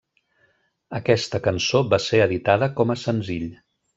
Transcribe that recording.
Aquesta cançó va ser editada com a senzill.